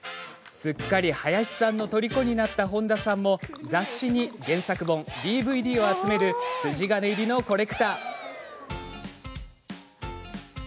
すっかり林さんのとりこになった本多さんも雑誌に原作本、ＤＶＤを集める筋金入りのコレクター。